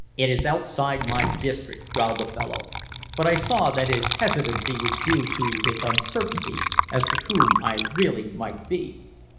"It is outside my district," growled the fellow, but I saw that his hesitancy was due to his uncertainty as to whom I really might be.